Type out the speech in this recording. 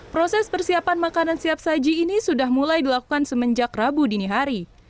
proses persiapan makanan siap saji ini sudah mulai dilakukan semenjak rabu dini hari